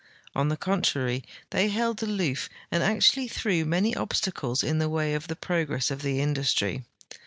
On the contrar}^, they held aloof, and actually threw many obstacles in the way of the progress of the industry.